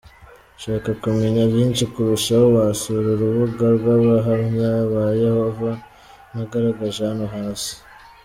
Ushaka kumenya byinshi kurushaho, wasura urubuga rw’abahamya ba yehova nagaragaje hano hasi:.